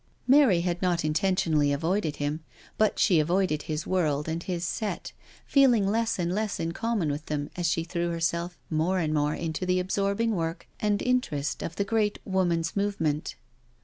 Mary had not intentionally avoided him, but she avoided his world and his set, feeling less and less ii^ conunon with them as she threw herself more and more into the absorbing work and interest of the great Woman's Movement.